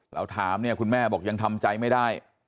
เราถามเนี่ยคุณแม่บอกยังทำใจไม่ได้